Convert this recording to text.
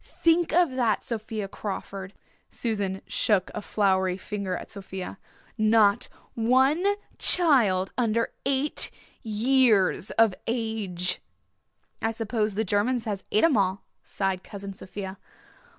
Think of that, Sophia Crawford" Susan shook a floury finger at Sophia "not one child under eight years of age!" "I suppose the Germans has et 'em all," sighed Cousin Sophia.